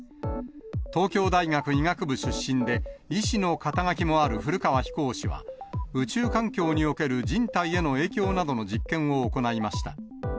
東京大学医学部出身で、医師の肩書もある古川飛行士は、宇宙環境における人体への影響などの実験を行いました。